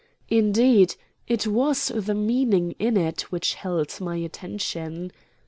Indeed, it was the meaning in it which held my attention.